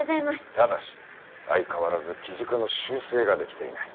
ただし相変わらず機軸の修正ができていない。